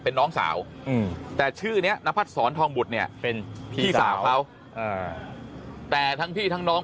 เป็นน้องสาวแต่ชื่อนี้นพัดศรทองบุตรเนี่ยเป็นพี่สาวเขาแต่ทั้งพี่ทั้งน้อง